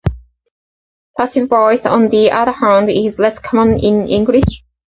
Passive voice, on the other hand, is less common in English.